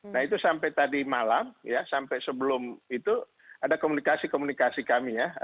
nah itu sampai tadi malam ya sampai sebelum itu ada komunikasi komunikasi kami ya